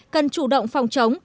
cần chủ động phòng chống